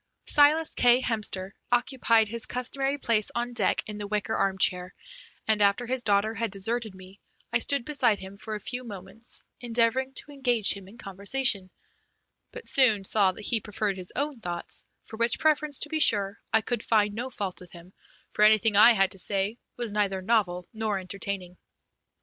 Silas K. Hemster occupied his customary place on deck in the wicker armchair, and after his daughter had deserted me I stood beside him for a few moments, endeavouring to engage him in conversation, but soon saw that he preferred his own thoughts, for which preference, to be sure, I could find no fault with him, for anything I had to say was neither novel nor entertaining.